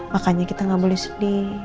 makanya kita nggak boleh sedih